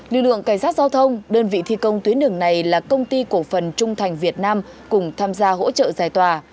lực lượng cảnh sát giao thông đơn vị thi công tuyến đường này là công ty cổ phần trung thành việt nam cùng tham gia hỗ trợ giải tỏa